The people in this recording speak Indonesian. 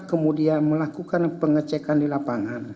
kemudian melakukan pengecekan di lapangan